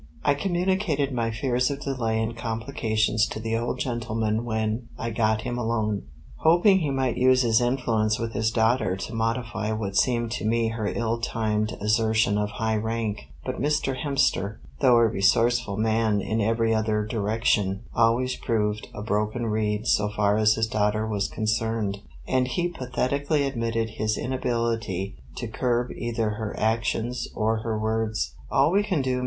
I communicated my fears of delay and complications to the old gentleman when I got him alone, hoping he might use his influence with his daughter to modify what seemed to me her ill timed assertion of high rank; but Mr. Hemster, though a resourceful man in every other direction, always proved a broken reed so far as his daughter was concerned, and he pathetically admitted his inability to curb either her actions or her words.